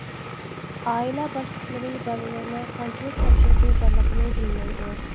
ئائىلە باشلىقلىرى باللىرىنىڭ قانچىلىك تاپشۇرۇقى بارلىقىنى بىلمەيدۇ.